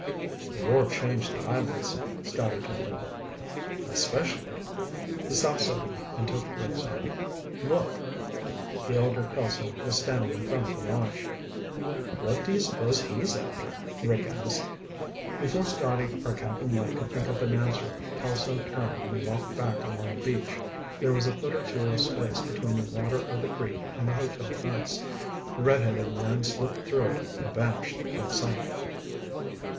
"The war changed the islands," Scotty told him. "Especially...." he stopped suddenly and took Rick's arm. "Look." The elder Kelso was standing in front of the launch. "What do you suppose he's after?" Rick asked. Before Scotty or Cap'n Mike could think up an answer, Kelso turned and walked back along the beach. There was a foot or two of space between the water of the creek and the hotel fence. The redheaded man slipped through it and vanished from sight.